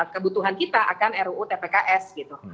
kebutuhan kita akan ruu tpks gitu